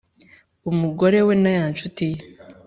umugore we nay’anshuti ye